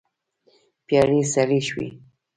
پيالې سړې شوې.